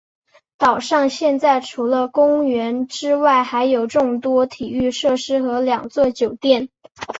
岛上现在除了公园之外还有众多体育设施和两座酒店。